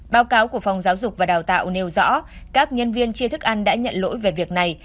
báo cáo của phòng giáo dục và đào tạo nêu rõ các nhân viên chia thức ăn đã nhận lỗi về việc này